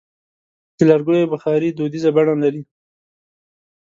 د لرګیو بخاري دودیزه بڼه لري.